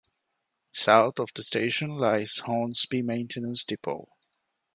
South of the station lies Hornsby Maintenance Depot.